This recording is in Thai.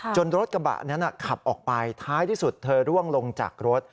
รถกระบะนั้นขับออกไปท้ายที่สุดเธอร่วงลงจากรถ